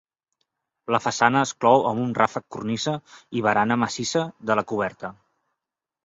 La façana es clou amb un ràfec- cornisa i barana massissa de la coberta.